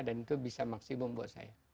dan itu bisa maksimum buat saya